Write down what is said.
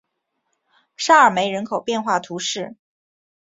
沙尔梅人口变化图示